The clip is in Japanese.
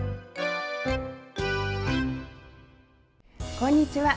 こんにちは。